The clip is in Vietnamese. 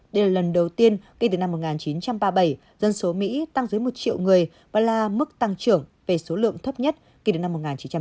đây là lần đầu tiên kể từ năm một nghìn chín trăm ba mươi bảy dân số mỹ tăng dưới một triệu người và là mức tăng trưởng về số lượng thấp nhất kể từ năm một nghìn chín trăm tám mươi